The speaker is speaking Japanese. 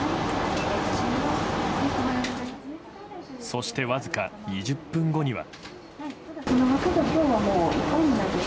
そして、わずか２０分後には。